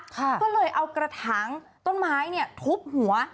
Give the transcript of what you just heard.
ก็เลยเอากระถางต้นไม้เนี่ยทุบหัว